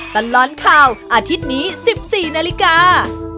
ตลอดข่าวอาทิตย์นี้๑๔นาฬิกา